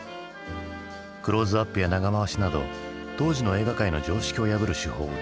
クローズアップや長回しなど当時の映画界の常識を破る手法を多用した。